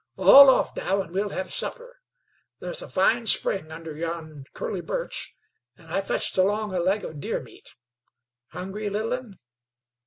"All off now, and' we'll hev' supper. Thar's a fine spring under yon curly birch, an' I fetched along a leg of deer meat. Hungry, little 'un?"